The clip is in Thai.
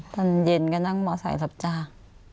ตอนเย็นก็นั่งมอเตอร์สายรับจาก